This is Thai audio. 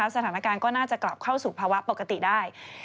สถานการณ์ก็น่าจะกลับเข้าสู่ภาวะปกติได้